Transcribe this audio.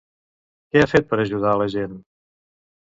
Què ha fet per ajudar a la gent?